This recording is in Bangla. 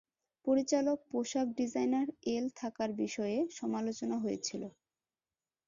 পরিচালক, পোশাক ডিজাইনার এল থাকার বিষয়ে সমালোচনা হয়েছিল।